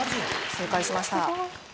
正解しました